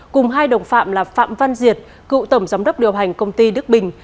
cùng hai đồng phạm là phạm văn diệt cựu tổng giám đốc điều hành công ty đức bình